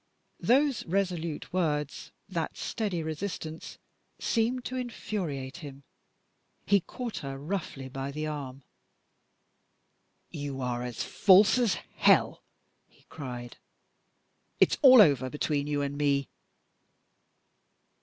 Those resolute words, that steady resistance, seemed to infuriate him. He caught her roughly by the arm. "You are as false as hell!" he cried. "It's all over between you and me!"